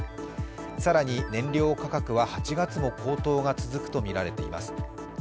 更に、燃料価格は８月も高騰が続くとみられています。